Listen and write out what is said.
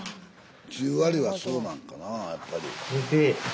十割はそうなんかなぁやっぱり。